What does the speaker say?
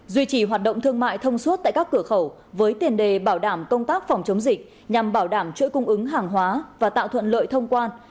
duy trì hoạt động thương mại thông suốt tại các cửa khẩu với tiền đề bảo đảm công tác phòng chống dịch nhằm bảo đảm chuỗi cung ứng hàng hóa và tạo thuận lợi thông quan